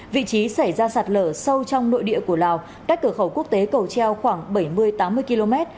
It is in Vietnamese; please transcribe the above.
vị trí xảy ra sạt lở sâu trong nội địa của lào cách cửa khẩu quốc tế cầu treo khoảng bảy mươi tám mươi km